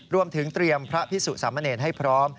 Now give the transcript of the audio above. รวมถึงเตรียมพระพิสุสามเณรให้พร้อม